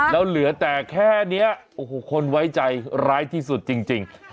แล้วเหลือแต่แค่นี้โอ้โหคนไว้ใจร้ายที่สุดจริง